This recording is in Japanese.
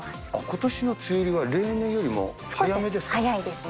ことしの梅雨入りは、例年よりも早めですか？